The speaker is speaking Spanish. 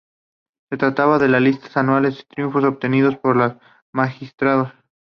Se trataba de listas anuales de triunfos obtenidos por los magistrados.